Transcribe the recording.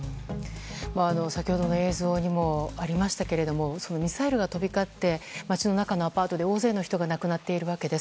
先ほどの映像にもありましたがミサイルが飛び交って街の中のアパートで大勢の人が亡くなっているわけです。